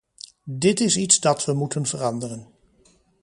Dit is iets dat we moeten veranderen.